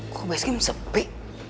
kok base game sepi